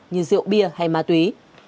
như rượu bia hay ma túy